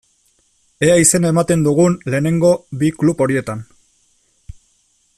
Ea izena ematen dugun lehenengo bi klub horietan.